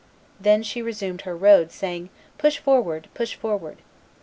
Then she resumed her road, saying, 'Push forward, push forward.